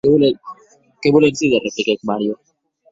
Qué voletz díder?, repliquèc Mario.